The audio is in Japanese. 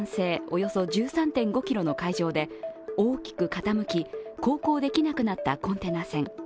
およそ１３．５ｋｍの海上で大きく傾き、航行できなくなったコンテナ船。